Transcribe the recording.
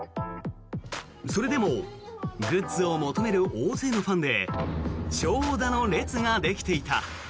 それでもグッズを求める大勢のファンで長蛇の列ができていた。